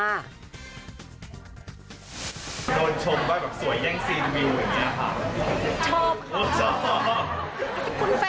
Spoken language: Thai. โดนชมว่าแบบสวยแย่งซีนวิวอย่างนี้ค่ะ